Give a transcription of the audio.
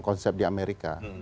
konsep di amerika